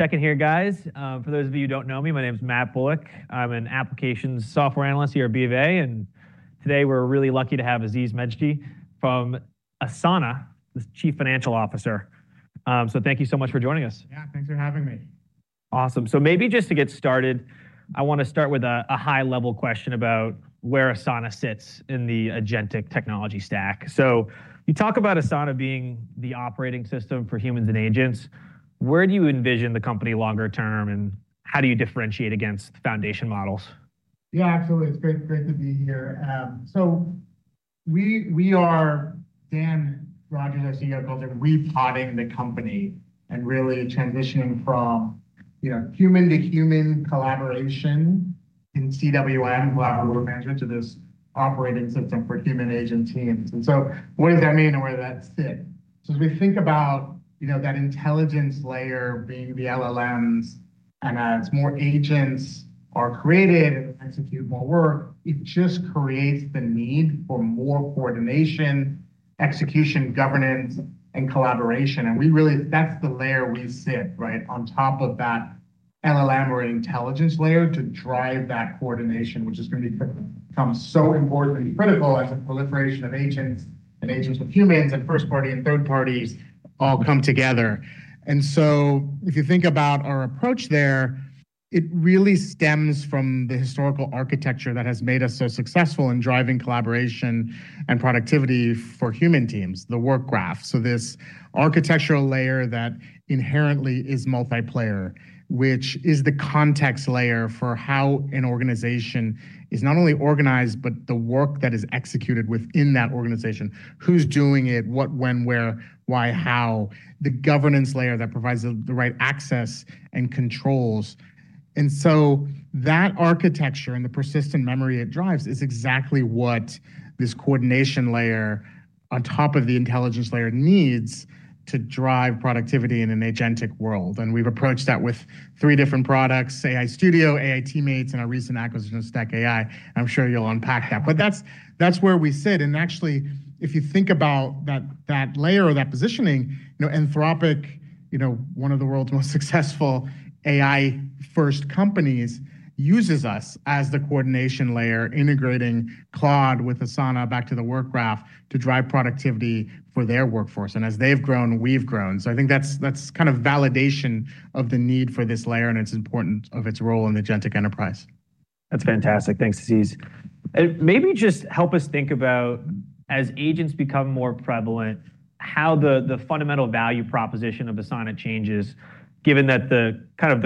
Second here, guys. For those of you who don't know me, my name's Matt Bullock. I'm an applications software analyst here at BofA. Today we're really lucky to have Aziz Megji from Asana, as Chief Financial Officer. Thank you so much for joining us. Yeah, thanks for having me. Awesome. Maybe just to get started, I want to start with a high-level question about where Asana sits in the agentic technology stack. You talk about Asana being the operating system for humans and agents. Where do you envision the company longer term, and how do you differentiate against foundation models? Yeah, absolutely. It's great to be here. We are, Dan Rogers, our CEO, calls it repotting the company, and really transitioning from human to human collaboration in CWM, Collaborative Work Management, to this operating system for human agent teams. What does that mean and where does that sit? As we think about that intelligence layer being the LLMs, and as more agents are created and execute more work, it just creates the need for more coordination, execution, governance, and collaboration. That's the layer we sit right on top of that LLM or intelligence layer to drive that coordination, which is going to become so important and critical as the proliferation of agents, and agents with humans, and first party and third parties all come together. If you think about our approach there, it really stems from the historical architecture that has made us so successful in driving collaboration and productivity for human teams, the Work Graph. This architectural layer that inherently is multiplayer, which is the context layer for how an organization is not only organized, but the work that is executed within that organization, who's doing it, what, when, where, why, how, the governance layer that provides the right access and controls. That architecture and the persistent memory it drives is exactly what this coordination layer on top of the intelligence layer needs to drive productivity in an agentic world. We've approached that with three different products, Asana AI Studio, Asana AI Teammates, and our recent acquisition of StackAI. I'm sure you'll unpack that. That's where we sit, and actually, if you think about that layer or that positioning, Anthropic, one of the world's most successful AI-first companies, uses us as the coordination layer, integrating Claude with Asana back to the Work Graph to drive productivity for their workforce. As they've grown, we've grown. I think that's validation of the need for this layer and its importance of its role in agentic enterprise. That's fantastic. Thanks, Aziz. Maybe just help us think about, as agents become more prevalent, how the fundamental value proposition of Asana changes, given that the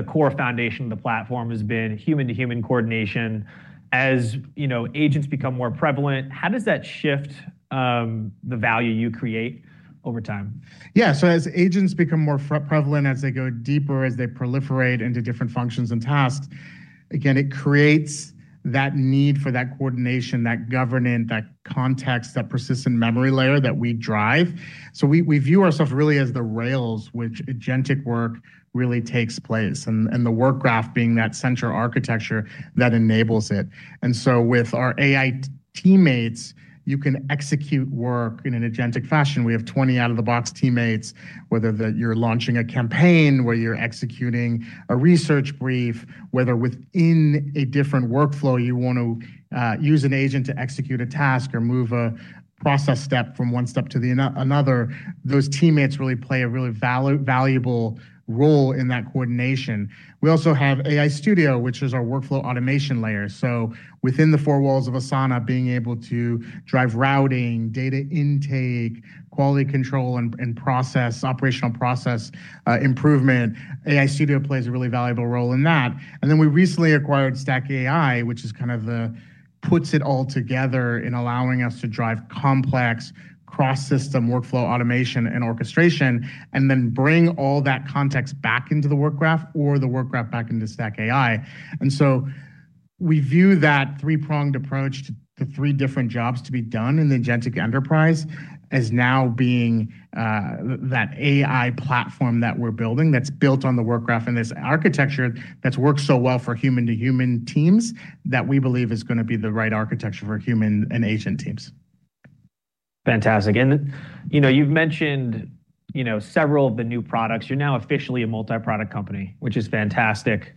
core foundation of the platform has been human-to-human coordination. As agents become more prevalent, how does that shift the value you create over time? Yeah. As agents become more prevalent, as they go deeper, as they proliferate into different functions and tasks, again, it creates that need for that coordination, that governance, that context, that persistent memory layer that we drive. We view ourselves really as the rails, which agentic work really takes place, and the Work Graph being that central architecture that enables it. With our AI Teammates, you can execute work in an agentic fashion. We have 20 out-of-the-box teammates, whether you're launching a campaign, where you're executing a research brief, whether within a different workflow, you want to use an agent to execute a task or move a process step from one step to another. Those teammates really play a really valuable role in that coordination. We also have AI Studio, which is our workflow automation layer. Within the four walls of Asana, being able to drive routing, data intake, quality control, and operational process improvement, AI Studio plays a really valuable role in that. We recently acquired StackAI, which puts it all together in allowing us to drive complex cross-system workflow automation and orchestration, and then bring all that context back into the Work Graph or the Work Graph back into StackAI. We view that three-pronged approach to three different jobs to be done in the agentic enterprise as now being that AI platform that we're building that's built on the Work Graph and this architecture that's worked so well for human-to-human teams that we believe is going to be the right architecture for human and agent teams. Fantastic. You've mentioned several of the new products. You're now officially a multi-product company, which is fantastic.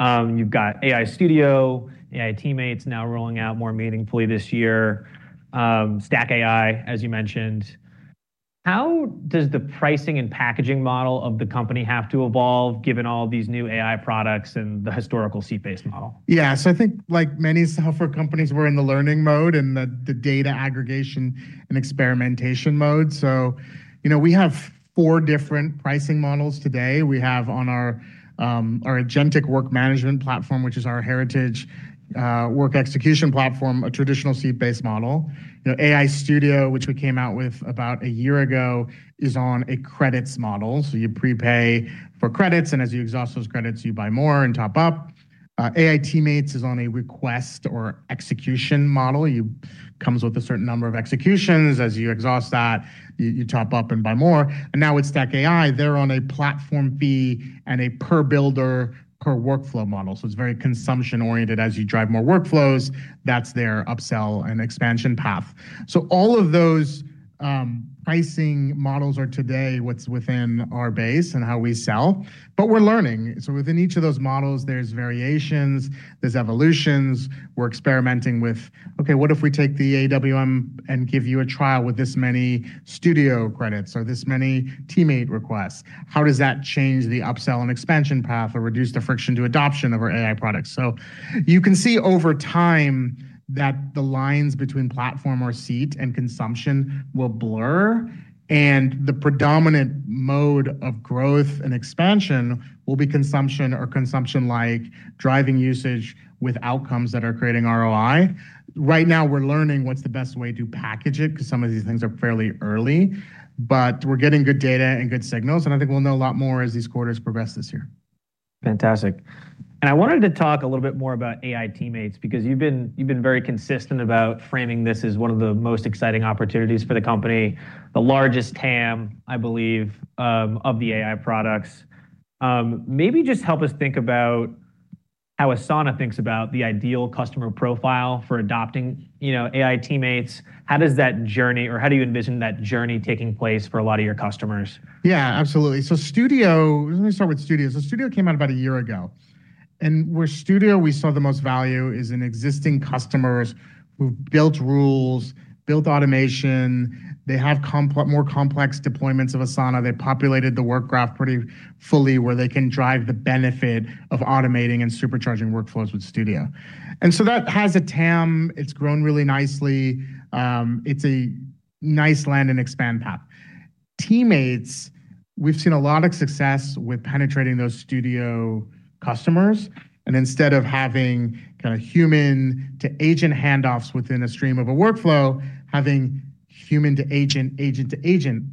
You've got AI Studio, AI Teammates now rolling out more meaningfully this year. StackAI, as you mentioned. How does the pricing and packaging model of the company have to evolve given all these new AI products and the historical seat-based model? Yeah. I think like many software companies, we're in the learning mode and the data aggregation and experimentation mode. We have four different pricing models today. We have on our agentic work management platform, which is our heritage work execution platform, a traditional seat-based model. AI Studio, which we came out with about a year ago, is on a credits model. You prepay for credits, and as you exhaust those credits, you buy more and top up. AI Teammates is on a request or execution model. Comes with a certain number of executions. As you exhaust that, you top up and buy more. Now with StackAI, they're on a platform fee and a per builder, per workflow model. It's very consumption-oriented. As you drive more workflows, that's their upsell and expansion path. All of those pricing models are today what's within our base and how we sell, but we're learning. Within each of those models, there's variations, there's evolutions. We're experimenting with, okay, what if we take the AWM and give you a trial with this many Studio credits or this many Teammate requests? How does that change the upsell and expansion path or reduce the friction to adoption of our AI products? You can see over time that the lines between platform or seat and consumption will blur, and the predominant mode of growth and expansion will be consumption or consumption-like driving usage with outcomes that are creating ROI. Right now, we're learning what's the best way to package it because some of these things are fairly early, but we're getting good data and good signals, and I think we'll know a lot more as these quarters progress this year. Fantastic. I wanted to talk a little bit more about AI Teammates, because you've been very consistent about framing this as one of the most exciting opportunities for the company, the largest TAM, I believe, of the AI products. Maybe just help us think about how Asana thinks about the ideal customer profile for adopting AI Teammates. How does that journey, or how do you envision that journey taking place for a lot of your customers? Yeah, absolutely. Studio, let me start with Studio. Studio came out about a year ago, and with Studio, we saw the most value is in existing customers who've built rules, built automation. They have more complex deployments of Asana. They populated the Work Graph pretty fully where they can drive the benefit of automating and supercharging workflows with Studio. That has a TAM. It's grown really nicely. It's a nice land and expand path. Teammates, we've seen a lot of success with penetrating those Studio customers, and instead of having human to agent handoffs within a stream of a workflow, having human to agent to agent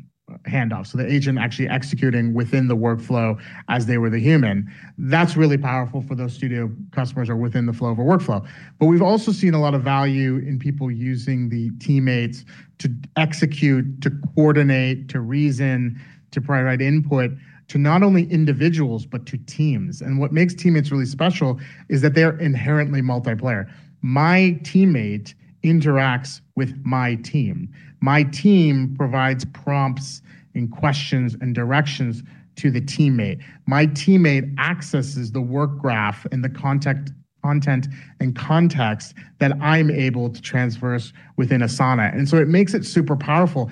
handoffs. The agent actually executing within the workflow as they were the human. That's really powerful for those Studio customers or within the flow of a workflow. We've also seen a lot of value in people using the Teammates to execute, to coordinate, to reason, to provide input to not only individuals, but to teams. What makes Teammates really special is that they're inherently multiplayer. My Teammate interacts with my team. My team provides prompts and questions and directions to the Teammate. My Teammate accesses the Work Graph and the content and context that I'm able to transverse within Asana. It makes it super powerful.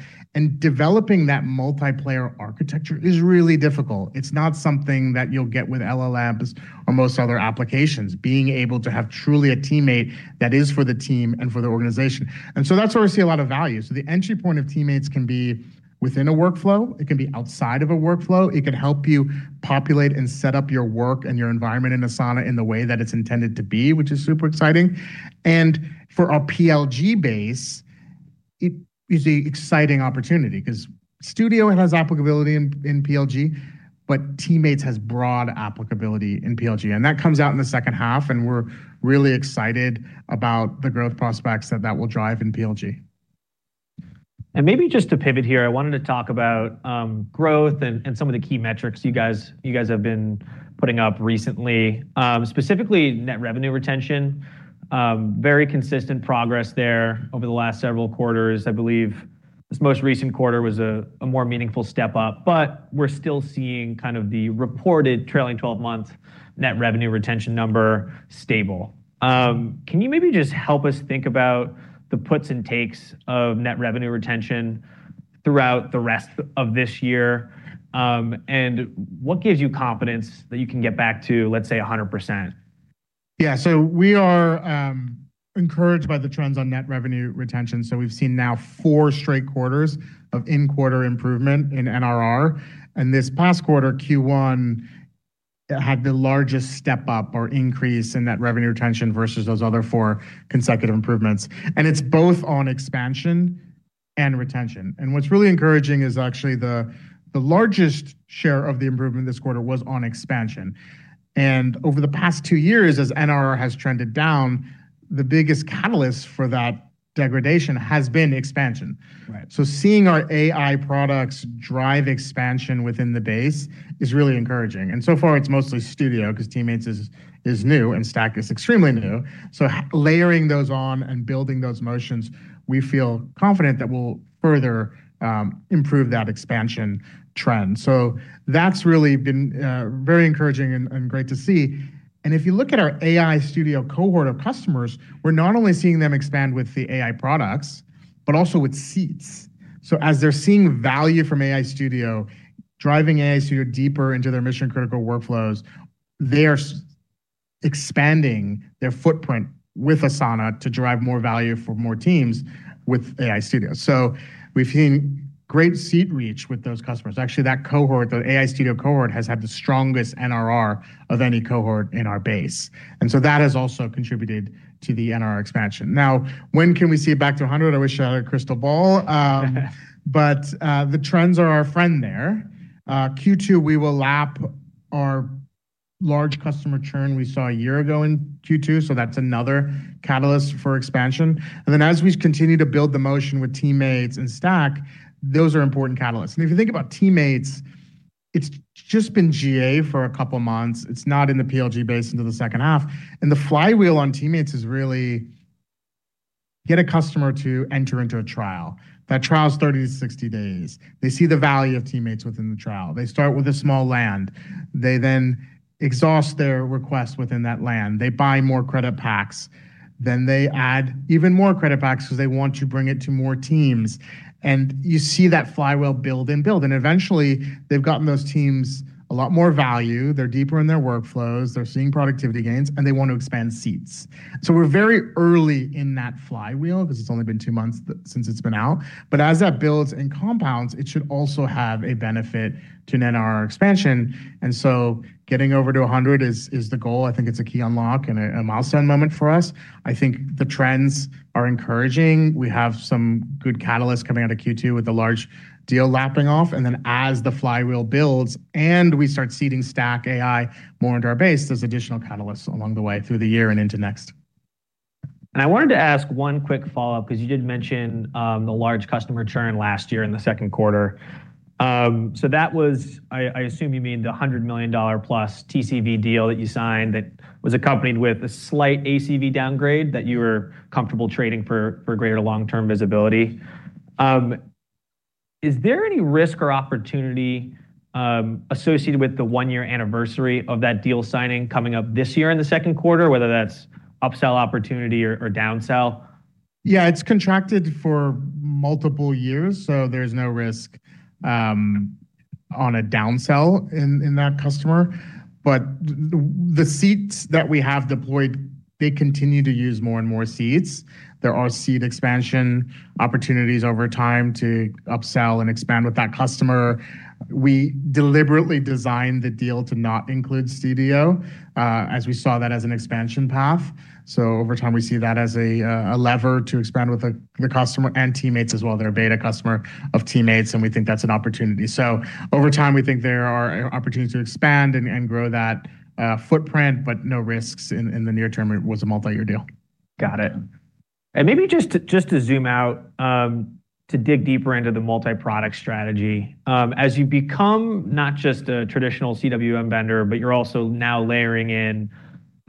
Developing that multiplayer architecture is really difficult. It's not something that you'll get with LLMs or most other applications, being able to have truly a Teammate that is for the team and for the organization. That's where we see a lot of value. The entry point of Teammates can be within a workflow, it can be outside of a workflow. It can help you populate and set up your work and your environment in Asana in the way that it's intended to be, which is super exciting. For our PLG base, it is a exciting opportunity because Studio has applicability in PLG, but Teammates has broad applicability in PLG, and that comes out in the second half, and we're really excited about the growth prospects that will drive in PLG. Maybe just to pivot here, I wanted to talk about growth and some of the key metrics you guys have been putting up recently. Specifically net revenue retention. Very consistent progress there over the last several quarters. I believe this most recent quarter was a more meaningful step up, but we're still seeing the reported trailing 12 months net revenue retention number stable. Can you maybe just help us think about the puts and takes of net revenue retention throughout the rest of this year? What gives you confidence that you can get back to, let's say, 100%? Yeah. We are encouraged by the trends on net revenue retention. We've seen now four straight quarters of in-quarter improvement in NRR. This past quarter, Q1, had the largest step-up or increase in net revenue retention versus those other four consecutive improvements. It's both on expansion and retention. What's really encouraging is actually the largest share of the improvement this quarter was on expansion. Over the past two years, as NRR has trended down, the biggest catalyst for that degradation has been expansion. Right. Seeing our AI products drive expansion within the base is really encouraging. So far, it's mostly Studio because Teammates is new and Stack is extremely new. Layering those on and building those motions, we feel confident that we'll further improve that expansion trend. That's really been very encouraging and great to see. If you look at our AI Studio cohort of customers, we're not only seeing them expand with the AI products, but also with seats. As they're seeing value from AI Studio, driving AI Studio deeper into their mission-critical workflows, they're expanding their footprint with Asana to drive more value for more teams with AI Studio. We've seen great seat reach with those customers. Actually, that cohort, the AI Studio cohort, has had the strongest NRR of any cohort in our base, and so that has also contributed to the NRR expansion. When can we see it back to 100? I wish I had a crystal ball, but the trends are our friend there. Q2, we will lap our large customer churn we saw a year ago in Q2, so that's another catalyst for expansion. As we continue to build the motion with teammates and Stack, those are important catalysts. If you think about teammates, it's just been GA for a couple of months. It's not in the PLG base until the second half. The flywheel on teammates is really get a customer to enter into a trial. That trial is 30-60 days. They see the value of teammates within the trial. They start with a small land. They then exhaust their request within that land. They buy more credit packs. They add even more credit packs because they want to bring it to more teams. You see that flywheel build and build. Eventually, they've gotten those teams a lot more value. They're deeper in their workflows. They're seeing productivity gains, and they want to expand seats. We're very early in that flywheel because it's only been two months since it's been out. As that builds and compounds, it should also have a benefit to NRR expansion, getting over to 100 is the goal. I think it's a key unlock and a milestone moment for us. I think the trends are encouraging. We have some good catalysts coming out of Q2 with the large deal lapping off, and then as the flywheel builds and we start seeding StackAI more into our base, there's additional catalysts along the way through the year and into next. I wanted to ask one quick follow-up because you did mention the large customer churn last year in the second quarter. That was, I assume you mean the $100 million+ TCV deal that you signed that was accompanied with a slight ACV downgrade that you were comfortable trading for greater long-term visibility. Is there any risk or opportunity associated with the one-year anniversary of that deal signing coming up this year in the second quarter, whether that's upsell opportunity or downsell? Yeah, it's contracted for multiple years, so there's no risk on a downsell in that customer. The seats that we have deployed, they continue to use more and more seats. There are seat expansion opportunities over time to upsell and expand with that customer. We deliberately designed the deal to not include Studio, as we saw that as an expansion path. Over time, we see that as a lever to expand with the customer and Teammates as well. They're a beta customer of Teammates, and we think that's an opportunity. Over time, we think there are opportunities to expand and grow that footprint, but no risks in the near term. It was a multi-year deal. Got it. Maybe just to zoom out to dig deeper into the multi-product strategy. As you become not just a traditional CWM vendor, but you're also now layering in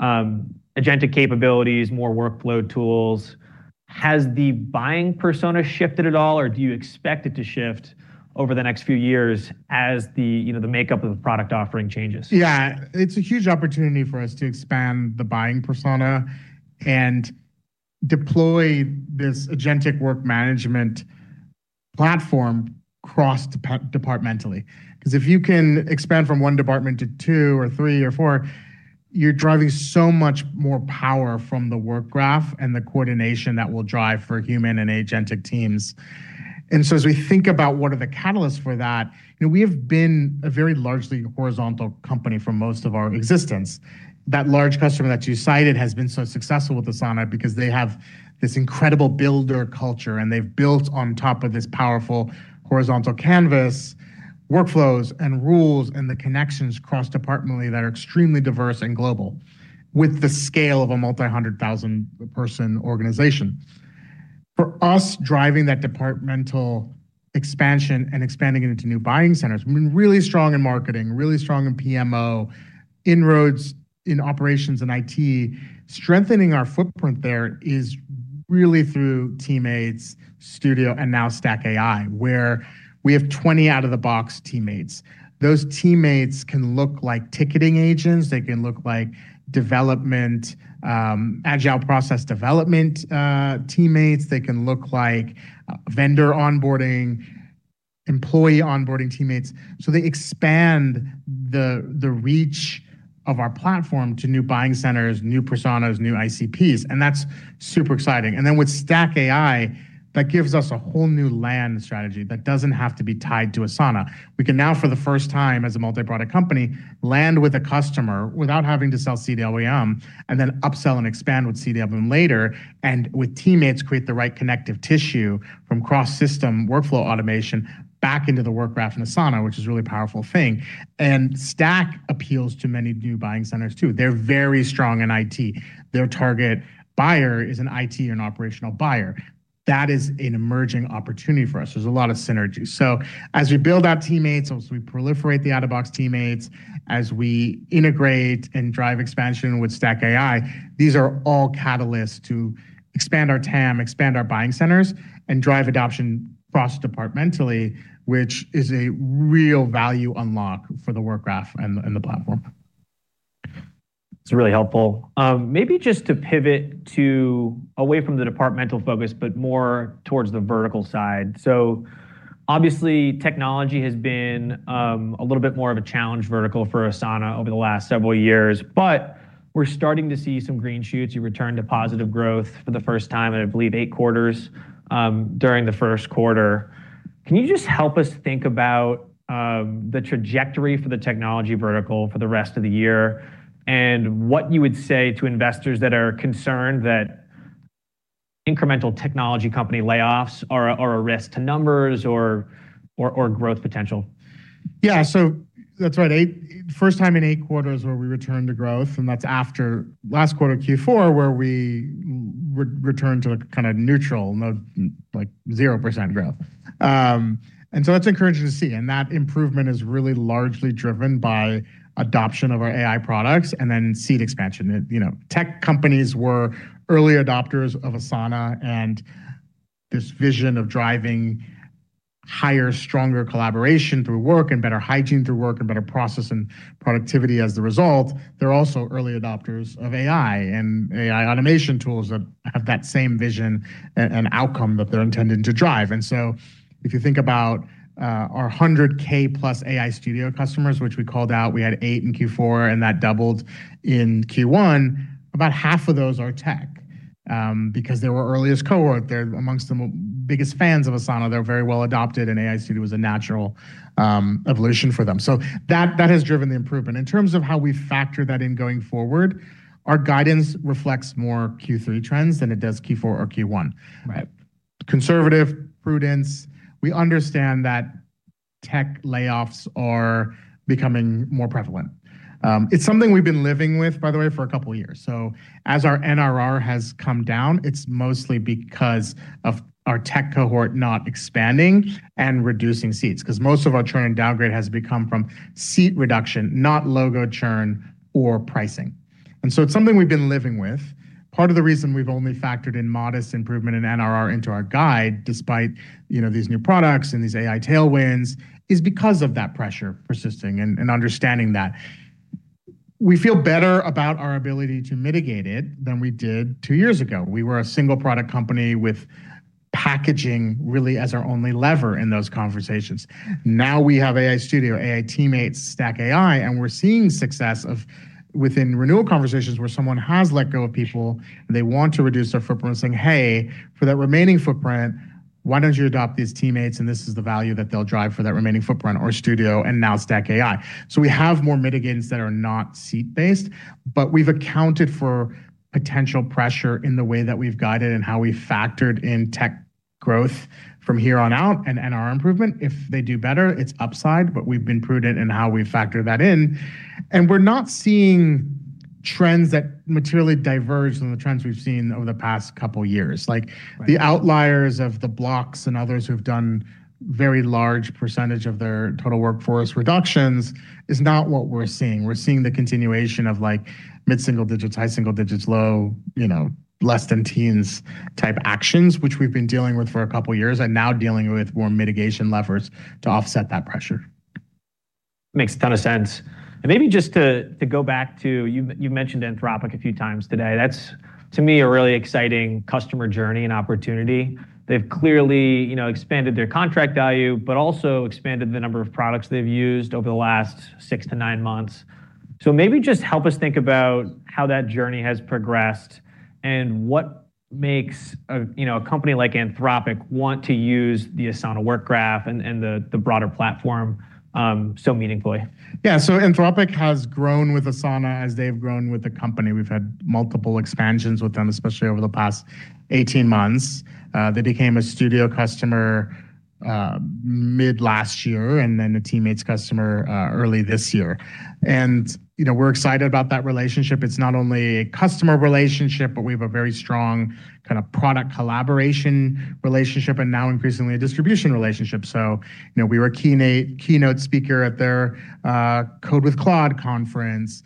agentic capabilities, more workload tools, has the buying persona shifted at all, or do you expect it to shift over the next few years as the makeup of the product offering changes? Yeah. It's a huge opportunity for us to expand the buying persona and deploy this agentic work management platform cross-departmentally. If you can expand from one department to two or three or four, you're driving so much more power from the Work Graph and the coordination that will drive for human and agentic teams. As we think about what are the catalysts for that, we have been a very largely horizontal company for most of our existence. That large customer that you cited has been so successful with Asana because they have this incredible builder culture, and they've built on top of this powerful horizontal canvas, workflows, and rules, and the connections cross-departmentally that are extremely diverse and global, with the scale of a multi-100,000-person organization. For us, driving that departmental expansion and expanding it into new buying centers, we've been really strong in marketing, really strong in PMO, inroads in operations and IT. Strengthening our footprint there is really through teammates, Studio, and now StackAI, where we have 20 out-of-the-box teammates. Those teammates can look like ticketing agents. They can look like agile process development teammates. They can look like vendor onboarding, employee onboarding teammates. They expand the reach of our platform to new buying centers, new personas, new ICPs, and that's super exciting. Then with StackAI, that gives us a whole new land strategy that doesn't have to be tied to Asana. We can now, for the first time as a multi-product company, land with a customer without having to sell CWM and then upsell and expand with CWM later. With Teammates, create the right connective tissue from cross-system workflow automation back into the Work Graph in Asana, which is a really powerful thing. Stack appeals to many new buying centers, too. They're very strong in IT. Their target buyer is an IT and operational buyer. That is an emerging opportunity for us. There's a lot of synergy. As we build out Teammates, as we proliferate the out-of-box Teammates, as we integrate and drive expansion with StackAI, these are all catalysts to expand our TAM, expand our buying centers, and drive adoption cross-departmentally, which is a real value unlock for the Work Graph and the platform. It's really helpful. Maybe just to pivot away from the departmental focus, but more towards the vertical side. Obviously, technology has been a little bit more of a challenge vertical for Asana over the last several years, but we're starting to see some green shoots. You returned to positive growth for the first time in, I believe, eight quarters during the first quarter. Can you just help us think about the trajectory for the technology vertical for the rest of the year and what you would say to investors that are concerned that incremental technology company layoffs are a risk to numbers or growth potential? Yeah. That's right. First time in eight quarters where we returned to growth, that's after last quarter, Q4, where we returned to neutral, like 0% growth. That's encouraging to see, and that improvement is really largely driven by adoption of our AI products and then seat expansion. Tech companies were early adopters of Asana and this vision of driving higher, stronger collaboration through work and better hygiene through work and better process and productivity as a result. They're also early adopters of AI and AI automation tools that have that same vision and outcome that they're intending to drive. If you think about our 100K+ Asana AI Studio customers, which we called out, we had eight in Q4, that doubled in Q1. About half of those are tech because they were earliest cohort. They're amongst the biggest fans of Asana. They're very well adopted. AI Studio was a natural evolution for them. That has driven the improvement. In terms of how we factor that in going forward, our guidance reflects more Q3 trends than it does Q4 or Q1. Right. Conservative prudence. We understand that tech layoffs are becoming more prevalent. It's something we've been living with, by the way, for a couple of years. As our NRR has come down, it's mostly because of our tech cohort not expanding and reducing seats. Because most of our churn and downgrade has become from seat reduction, not logo churn or pricing. It's something we've been living with. Part of the reason we've only factored in modest improvement in NRR into our guide, despite these new products and these AI tailwinds, is because of that pressure persisting and understanding that. We feel better about our ability to mitigate it than we did two years ago. We were a single-product company with packaging really as our only lever in those conversations. Now we have AI Studio, AI Teammates, StackAI, and we're seeing success of within renewal conversations where someone has let go of people and they want to reduce their footprint and saying, "Hey, for that remaining footprint, why don't you adopt these Teammates? This is the value that they'll drive for that remaining footprint or Studio." Now StackAI. We have more mitigants that are not seat-based, but we've accounted for potential pressure in the way that we've guided and how we factored in tech growth from here on out and NRR improvement. If they do better, it's upside, but we've been prudent in how we factor that in, and we're not seeing trends that materially diverge from the trends we've seen over the past couple of years. Right The outliers of the Block and others who've done very large % of their total workforce reductions is not what we're seeing. We're seeing the continuation of mid-single digits, high-single digits, low, less than teens type actions, which we've been dealing with for a couple of years, and now dealing with more mitigation levers to offset that pressure. Makes a ton of sense. Maybe just to go back to, you've mentioned Anthropic a few times today. That's, to me, a really exciting customer journey and opportunity. They've clearly expanded their contract value, but also expanded the number of products they've used over the last six to nine months. Maybe just help us think about how that journey has progressed and what makes a company like Anthropic want to use the Asana Work Graph and the broader platform so meaningfully. Yeah. Anthropic has grown with Asana as they've grown with the company. We've had multiple expansions with them, especially over the past 18 months. They became a studio customer mid last year and then a teammates customer early this year. We're excited about that relationship. It's not only a customer relationship, but we have a very strong product collaboration relationship and now increasingly a distribution relationship. We were a keynote speaker at their Code with Claude conference.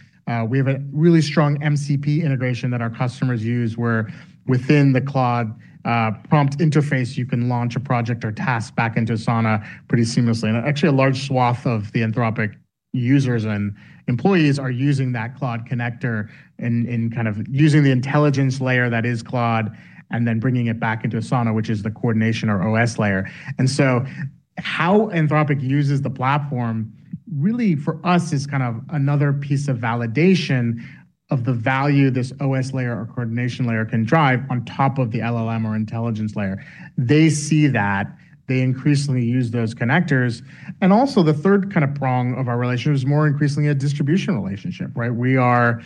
We have a really strong MCP integration that our customers use, where within the Claude prompt interface, you can launch a project or task back into Asana pretty seamlessly. Actually, a large swath of the Anthropic users and employees are using that Claude connector and kind of using the intelligence layer that is Claude, and then bringing it back into Asana, which is the coordination or OS layer. How Anthropic uses the platform really for us is kind of another piece of validation of the value this OS layer or coordination layer can drive on top of the LLM or intelligence layer. They see that. They increasingly use those connectors. The third kind of prong of our relationship is more increasingly a distribution relationship, right? We are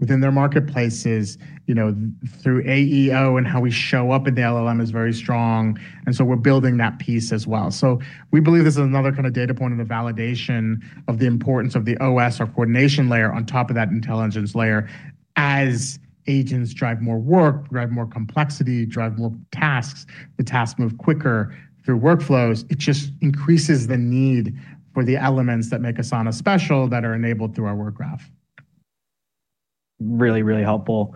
within their marketplaces, through AEO and how we show up in the LLM is very strong, and so we're building that piece as well. We believe this is another kind of data point and a validation of the importance of the OS or coordination layer on top of that intelligence layer. As agents drive more work, drive more complexity, drive more tasks, the tasks move quicker through workflows. It just increases the need for the elements that make Asana special, that are enabled through our Work Graph. Really, really helpful.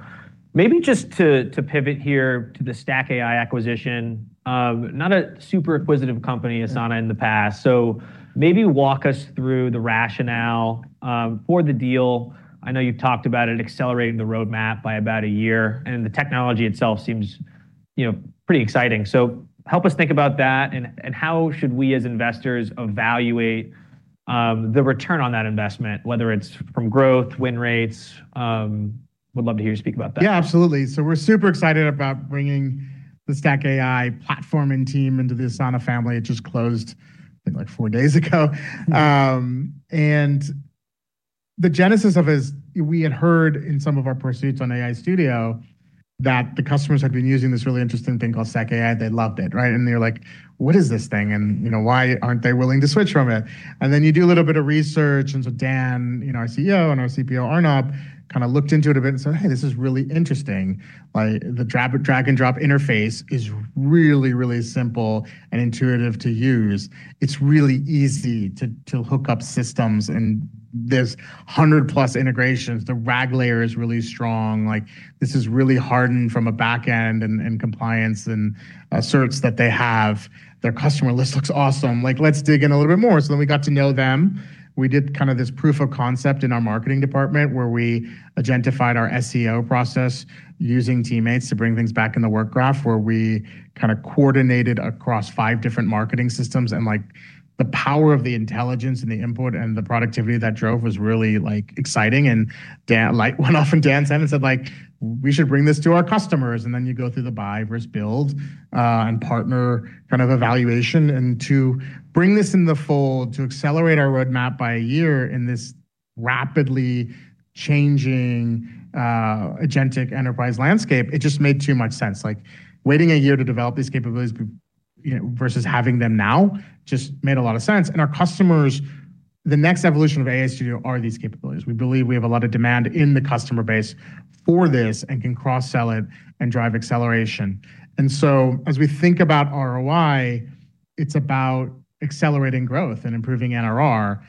Just to pivot here to the StackAI acquisition. Not a super acquisitive company, Asana, in the past. Maybe walk us through the rationale for the deal. I know you've talked about it accelerating the roadmap by about a year, and the technology itself seems pretty exciting. Help us think about that and how should we as investors evaluate the return on that investment, whether it's from growth, win rates. Would love to hear you speak about that. Yeah, absolutely. We're super excited about bringing the StackAI platform and team into the Asana family. It just closed, I think, four days ago. Yeah. The genesis of is, we had heard in some of our pursuits on AI Studio that the customers had been using this really interesting thing called StackAI. They loved it, right. They're like, "What is this thing. Why aren't they willing to switch from it." You do a little bit of research, Dan, our CEO, and our CPO, Arnab, kind of looked into it a bit and said, "Hey, this is really interesting." The drag-and-drop interface is really, really simple and intuitive to use. It's really easy to hook up systems, and there's 100+ integrations. The RAG layer is really strong. This is really hardened from a back end and compliance and certs that they have. Their customer list looks awesome. Let's dig in a little bit more. We got to know them. We did this proof of concept in our marketing department where we agentified our SEO process using Teammates to bring things back in the Work Graph, where we coordinated across five different marketing systems. The power of the intelligence and the input and the productivity that drove was really exciting. A light went off in Dan's head and said, "We should bring this to our customers." Then you go through the buy versus build, and partner kind of evaluation. To bring this in the fold, to accelerate our roadmap by a year in this rapidly changing agentic enterprise landscape, it just made too much sense. Waiting a year to develop these capabilities versus having them now just made a lot of sense. Our customers, the next evolution of AI Studio are these capabilities. We believe we have a lot of demand in the customer base for this and can cross-sell it and drive acceleration. As we think about ROI, it's about accelerating growth and improving NRR.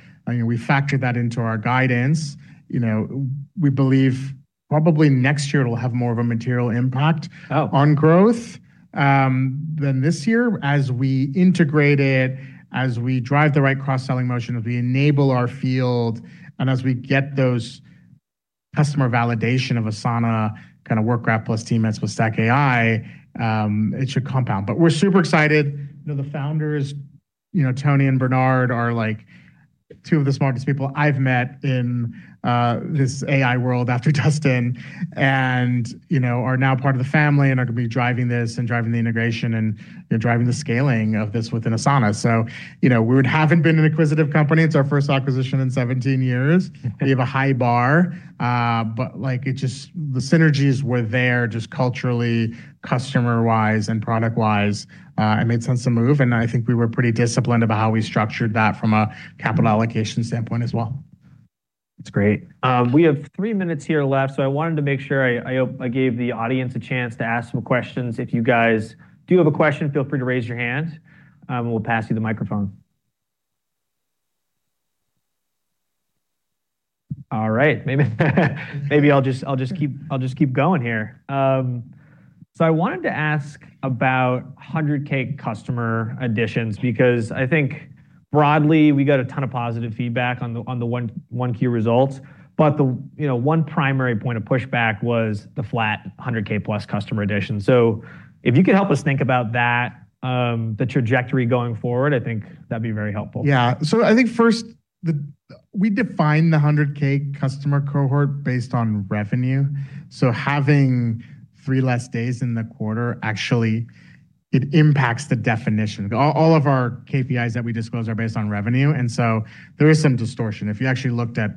We factor that into our guidance. We believe probably next year it'll have more of a material impact. Oh on growth than this year as we integrate it, as we drive the right cross-selling motion, as we enable our field, and as we get those customer validation of Asana Work Graph plus teammates with StackAI, it should compound. We're super excited. The founders, Tony and Bernardo, are two of the smartest people I've met in this AI world, after Dustin, and are now part of the family and are going to be driving this and driving the integration and driving the scaling of this within Asana. We haven't been an acquisitive company. It's our first acquisition in 17 years. We have a high bar. The synergies were there just culturally, customer-wise, and product-wise. It made sense to move, and I think we were pretty disciplined about how we structured that from a capital allocation standpoint as well. That's great. We have three minutes here left, so I wanted to make sure I gave the audience a chance to ask some questions. If you guys do have a question, feel free to raise your hand, and we'll pass you the microphone. All right. Maybe I'll just keep going here. I wanted to ask about 100K customer additions, because I think broadly, we got a ton of positive feedback on the 1Q results. The one primary point of pushback was the flat 100K+ customer addition. If you could help us think about that, the trajectory going forward, I think that'd be very helpful. Yeah. I think first, we define the $100K customer cohort based on revenue. Having three less days in the quarter, actually it impacts the definition. All of our KPIs that we disclose are based on revenue, there is some distortion. If you actually looked at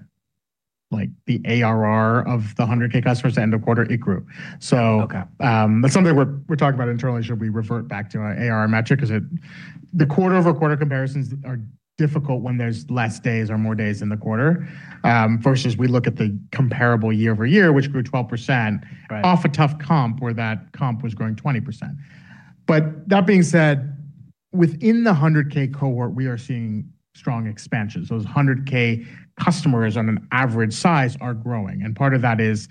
the ARR of the $100K customers end of quarter, it grew. Okay. Something we're talking about internally, should we revert back to our ARR metric? The quarter-over-quarter comparisons are difficult when there's less days or more days in the quarter. Versus we look at the comparable year-over-year, which grew 12%. Right Off a tough comp where that comp was growing 20%. Within the 100K cohort, we are seeing strong expansions. Those 100K customers on an average size are growing. Part of that is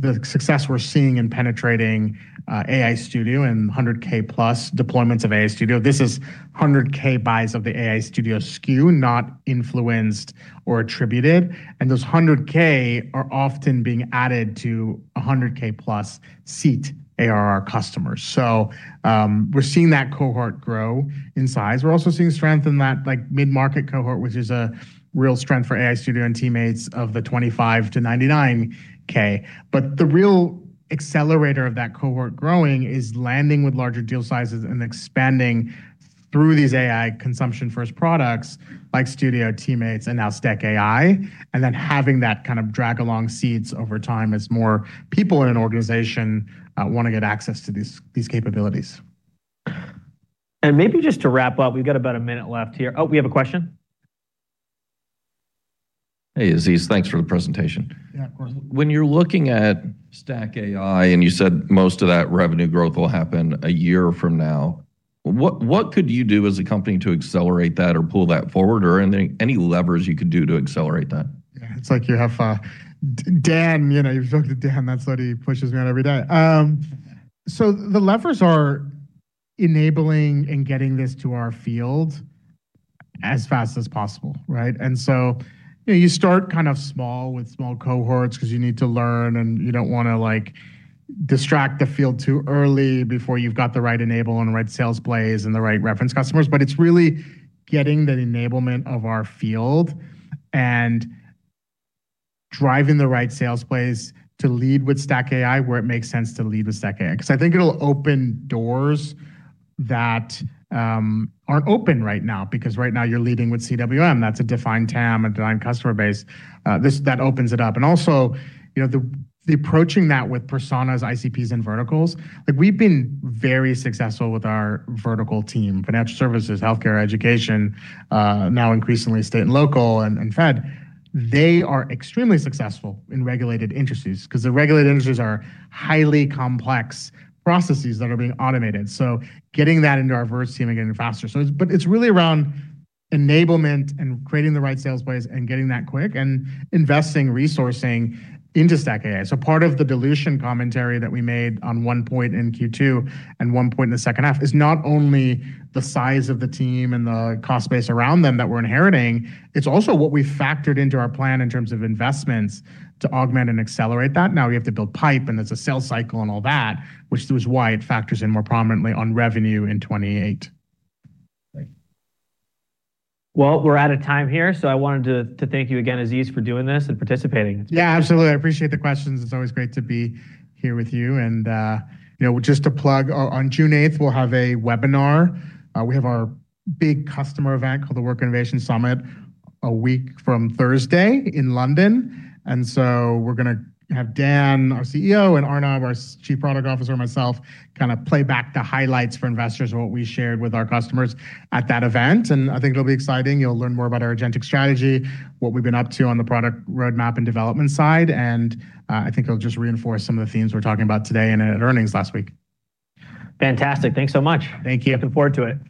the success we're seeing in penetrating AI Studio and 100K+ deployments of AI Studio. This is 100K buys of the AI Studio SKU, not influenced or attributed, and those 100K are often being added to 100K+ seat ARR customers. We're seeing that cohort grow in size. We're also seeing strength in that mid-market cohort, which is a real strength for AI Studio and Teammates of the 25 to 99K. The real accelerator of that cohort growing is landing with larger deal sizes and expanding through these AI consumption-first products like Studio, teammates, and now StackAI, and then having that kind of drag along seats over time as more people in an organization want to get access to these capabilities. Maybe just to wrap up, we've got about one minute left here. Oh, we have a question? Hey, Aziz. Thanks for the presentation. Yeah, of course. When you're looking at StackAI, and you said most of that revenue growth will happen a year from now, what could you do as a company to accelerate that or pull that forward? Are there any levers you could do to accelerate that? Yeah. It's like you have Dan. You're looking at Dan, that's what he pushes me on every day. The levers are enabling and getting this to our field as fast as possible, right? You start kind of small with small cohorts because you need to learn, and you don't want to distract the field too early before you've got the right enable and the right sales plays and the right reference customers. It's really getting that enablement of our field and driving the right sales plays to lead with StackAI where it makes sense to lead with StackAI. I think it'll open doors that aren't open right now, because right now you're leading with CWM. That's a defined TAM, a defined customer base. That opens it up. Also, approaching that with personas, ICPs, and verticals, we've been very successful with our vertical team, financial services, healthcare, education, now increasingly state and local and fed. They are extremely successful in regulated industries because the regulated industries are highly complex processes that are being automated. Getting that into our vert team and getting it faster. It's really around enablement and creating the right sales plays and getting that quick and investing resourcing into StackAI. Part of the dilution commentary that we made on one point in Q2 and one point in the second half is not only the size of the team and the cost base around them that we're inheriting, it's also what we factored into our plan in terms of investments to augment and accelerate that. Now we have to build pipe, and there's a sales cycle and all that, which is why it factors in more prominently on revenue in 2028. Thank you. Well, we're out of time here, so I wanted to thank you again, Aziz, for doing this and participating. Yeah, absolutely. I appreciate the questions. It's always great to be here with you. Just to plug, on June 8th, we'll have a webinar. We have our big customer event called the Work Innovation Summit a week from Thursday in London. We're going to have Dan, our CEO, and Arnab, our Chief Product Officer, myself, kind of play back the highlights for investors of what we shared with our customers at that event. I think it'll be exciting. You'll learn more about our agentic strategy, what we've been up to on the product roadmap and development side, and I think it'll just reinforce some of the themes we're talking about today and at earnings last week. Fantastic. Thanks so much. Thank you. Looking forward to it.